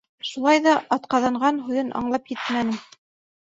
Шулай ҙа «атҡаҙанған» һүҙен аңлап етмәнем.